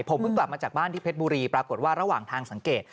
ผมเพิ่งกลับมาจากบ้านที่เพชรบุรีปรากฏว่าระหว่างทางสังเกต